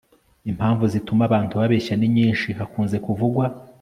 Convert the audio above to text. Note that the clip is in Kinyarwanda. impamvu zituma abantu babeshya ni nyinshi. hakunze kuvugwa